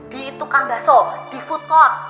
di tukang bakso di food court